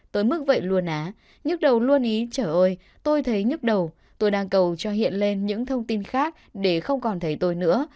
tới mức vậy luôn á nhức đầu luôn ý chở ơi tôi thấy nhức đầu tôi đang cầu cho hiện lên những thông tin khác để không còn thấy tôi nữa